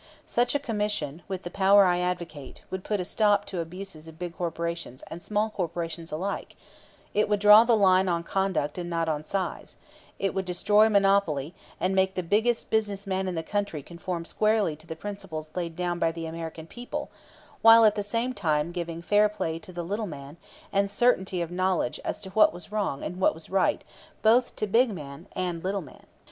Such a commission, with the power I advocate, would put a stop to abuses of big corporations and small corporations alike; it would draw the line on conduct and not on size; it would destroy monopoly, and make the biggest business man in the country conform squarely to the principles laid down by the American people, while at the same time giving fair play to the little man and certainty of knowledge as to what was wrong and what was right both to big man and little man.